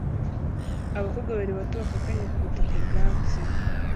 abakobwa babiri bato bafatanye kubutaka bwatsi